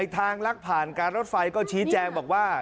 ทางลักผ่านการรถไฟก็ชี้แจงบอกว่า